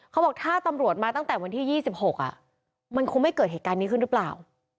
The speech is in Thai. เขาบอกถ้าตำรวจมาตั้งแต่วันที่๒๖มันคงไม่เกิดเหตุการณ์นี้ขึ้นหรือเปล่า